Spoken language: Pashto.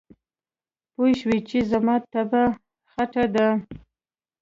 پوی شو چې زما طبعه خټه ده.